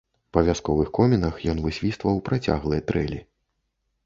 Па вясковых комінах ён высвістваў працяглыя трэлі.